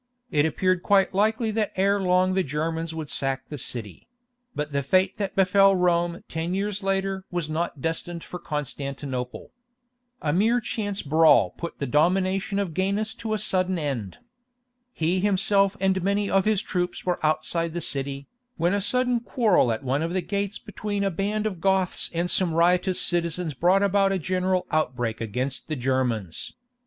It appeared quite likely that ere long the Germans would sack the city; but the fate that befell Rome ten years later was not destined for Constantinople. A mere chance brawl put the domination of Gainas to a sudden end. He himself and many of his troops were outside the city, when a sudden quarrel at one of the gates between a band of Goths and some riotous citizens brought about a general outbreak against the Germans.